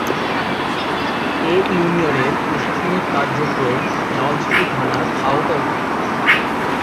এ ইউনিয়নের প্রশাসনিক কার্যক্রম নলছিটি থানার আওতাধীন।